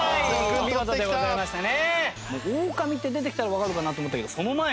お見事でございましたね。